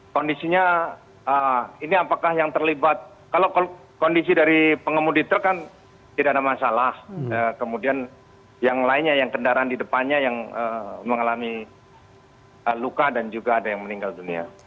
kondisinya ini apakah yang terlibat kalau kondisi dari pengemudi truk kan tidak ada masalah kemudian yang lainnya yang kendaraan di depannya yang mengalami luka dan juga ada yang meninggal dunia